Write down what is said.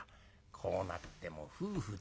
こうなっても夫婦だ。